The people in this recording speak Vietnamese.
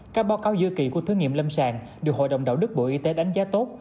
các báo cáo giữa kỳ của thử nghiệm lâm sàng được hội đồng đạo đức bộ y tế đánh giá tốt